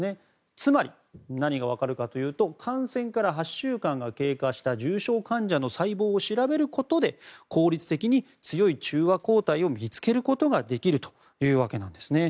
つまり、何が分かるかというと感染から８週間から経過した重症患者の細胞を調べることで効率的に、強い中和抗体を見つけることができるわけです。